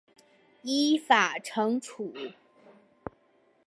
依法惩处